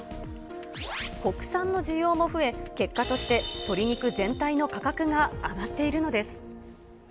国産の需要も増え、結果として鶏肉全体の価格が上がっているのです。